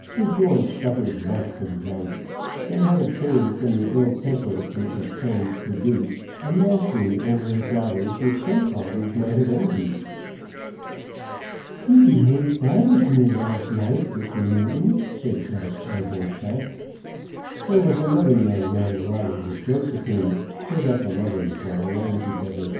Sir George suffered much from gout, and had obtained from the ill temper which his pangs produced a mastery over his daughters which some fathers might have envied. "You behaved badly to me last night, Mr. Newton," said Gus, on horseback. There was another young man riding with Josephine, so that the lovers were alone together.